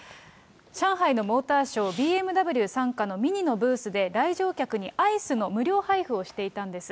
上海のモーターショー、ＢＭＷ傘下のＭＩＮＩのブースで、来場客にアイスの無料配布をしていたんです。